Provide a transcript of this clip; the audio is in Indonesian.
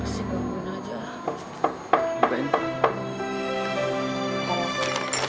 siapa sih bukunya aja